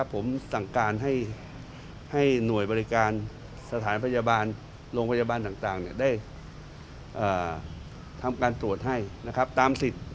ผมสั่งการให้หน่วยบริการสถานพยาบาลโรงพยาบาลต่างได้ทำการตรวจให้นะครับตามสิทธิ์